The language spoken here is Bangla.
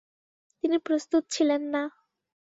তিনি প্রস্তুত ছিলেন না।